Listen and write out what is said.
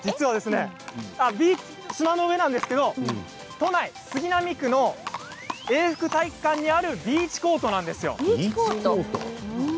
砂の上なんですけれども都内杉並区の永福体育館にあるビーチコートなんですよ。